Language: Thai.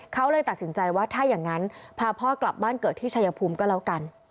เขาเลยตัดสินใจว่าถ้าอย่างนั้นพาพ่อกลับบ้านเกิดที่ชายภูมิก็แล้วกัน